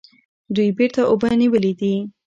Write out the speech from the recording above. دوی بیرته اوبه نیولې دي.